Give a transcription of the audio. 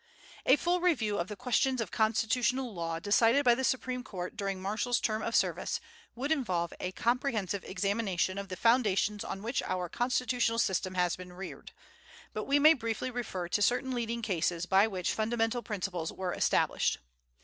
A full review of the questions of constitutional law decided by the Supreme Court during Marshall's term of service would involve a comprehensive examination of the foundations on which our constitutional system has been reared; but we may briefly refer to certain leading cases by which fundamental principles were established.